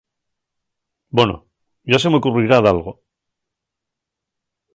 Bono, yá se m'ocurrirá dalgo.